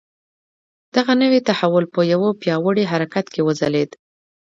دغه نوی تحول په یوه پیاوړي حرکت کې وځلېد.